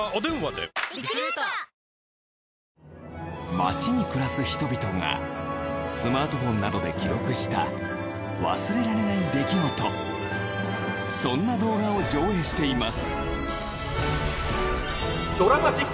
街に暮らす人々がスマートフォンなどで記録した忘れられない出来事そんな動画を上映しています